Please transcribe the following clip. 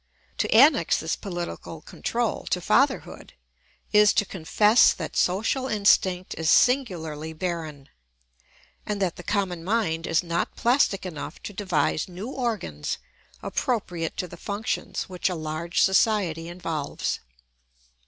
To annex this political control to fatherhood is to confess that social instinct is singularly barren, and that the common mind is not plastic enough to devise new organs appropriate to the functions which a large society involves.